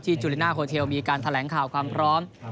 จุลิน่าโฮเทลมีการแถลงข่าวความพร้อม